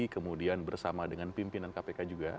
kemudian bersama dengan pimpinan kpk juga